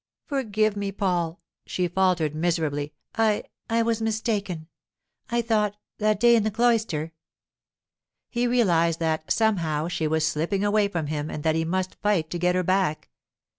'Forgive me, Paul,' she faltered miserably. 'I—I was mistaken. I thought, that day in the cloister——' He realized that, somehow, she was slipping away from him and that he must fight to get her back.